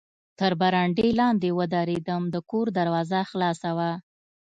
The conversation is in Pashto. تر برنډې لاندې و درېدم، د کور دروازه خلاصه وه.